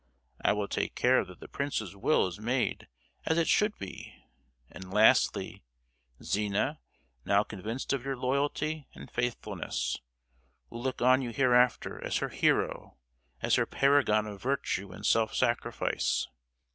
I will take care that the prince's will is made as it should be; and lastly, Zina, now convinced of your loyalty and faithfulness, will look on you hereafter as her hero, as her paragon of virtue and self sacrifice!